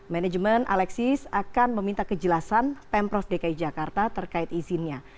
manajemen alexis akan meminta kejelasan pemprov dki jakarta terkait izinnya